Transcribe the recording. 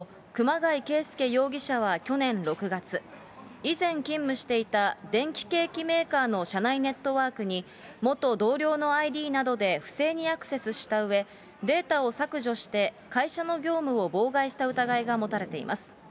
警視庁によりますと、熊谷けいすけ容疑者は去年６月、以前勤務していた電気計器メーカーの社内ネットワークに元同僚のＩＤなどで不正にアクセスしたうえで、データを削除して会社の業務を妨害した疑いが持たれています。